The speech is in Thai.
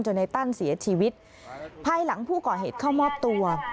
ในตั้นเสียชีวิตภายหลังผู้ก่อเหตุเข้ามอบตัว